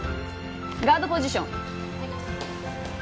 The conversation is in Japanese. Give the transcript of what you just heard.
ガードポジション。